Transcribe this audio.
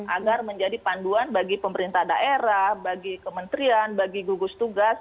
agar menjadi panduan bagi pemerintah daerah bagi kementerian bagi gugus tugas